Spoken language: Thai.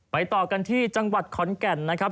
ต่อกันที่จังหวัดขอนแก่นนะครับ